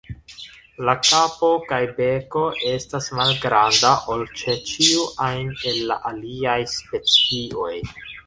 La kapo kaj beko estas malgranda ol ĉe ĉiu ajn el la aliaj specioj.